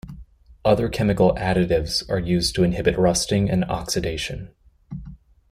Other chemical additives are used to inhibit rusting and oxidation.